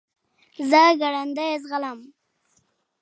زه ګړندی ځغلم .